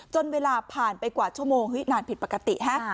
จนเวลาผ่านไปกว่าชั่วโมงนานผิดปกติ